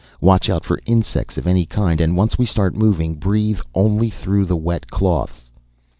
Watch out for insects of any kind and once we start moving breathe only through the wet cloths."